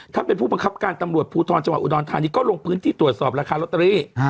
เป็นผู้บังคับการตำรวจภูทรจังหวัดอุดรธานีก็ลงพื้นที่ตรวจสอบราคาลอตเตอรี่